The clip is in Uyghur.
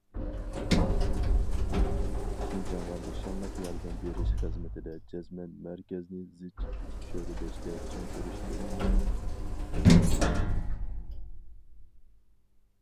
شىنجاڭغا نىشانلىق ياردەم بېرىش خىزمىتىدە جەزمەن مەركەزنى زىچ چۆرىدەشتە چىڭ تۇرۇش كېرەك.